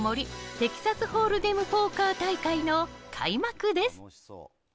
テキサスホールデムポーカー大会の開幕です。